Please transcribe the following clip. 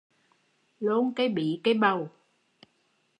Lôn cây bí cây bầu